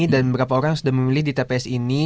dan berapa orang yang sudah memilih di tps ini